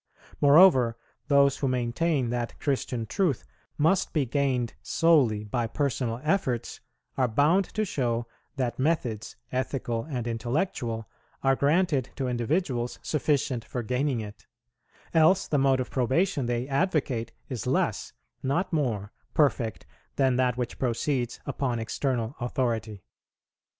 Moreover, those who maintain that Christian truth must be gained solely by personal efforts are bound to show that methods, ethical and intellectual, are granted to individuals sufficient for gaining it; else the mode of probation they advocate is less, not more, perfect than that which proceeds upon external authority.